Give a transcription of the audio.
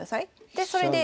でそれで。